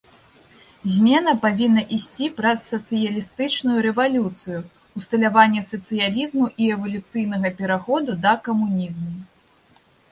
Змена павінна ісці праз сацыялістычную рэвалюцыю, усталяванне сацыялізму і эвалюцыйнага пераходу да камунізму.